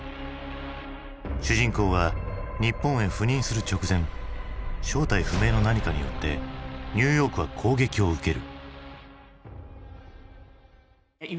主人公が日本へ赴任する直前正体不明の何かによってニューヨークは攻撃を受ける。